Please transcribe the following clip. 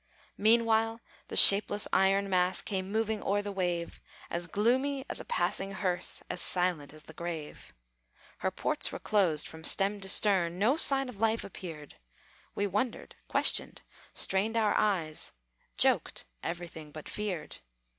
Meanwhile the shapeless iron mass Came moving o'er the wave, As gloomy as a passing hearse, As silent as the grave. Her ports were closed, from stem to stern No sign of life appeared. We wondered, questioned, strained our eyes, Joked, everything but feared.